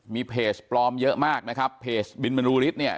มีเพจปลอมเยอะมากนะครับเพจบินบรรลือฤทธิ์เนี่ย